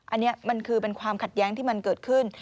อันนี้มันคือเป็นความขัดแย้งที่มันเกิดขึ้น